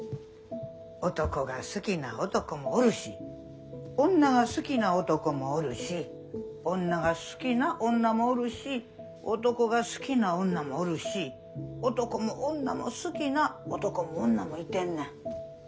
男が好きな男もおるし女が好きな男もおるし女が好きな女もおるし男が好きな女もおるし男も女も好きな男も女もいてんねん。